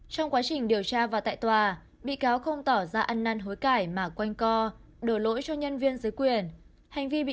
trong quá trình điều tra và tại tòa bị cáo không tỏ ra ăn năn hối cải mà quanh co đổ lỗi cho nhân viên dưới quyền